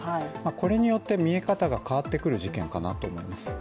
これによって、見え方が変わってくる事件かなと思っています。